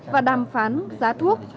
và đàm phán giá thuốc